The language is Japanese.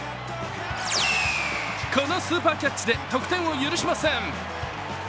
このスーパーキャッチで得点を許しません。